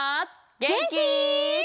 げんき？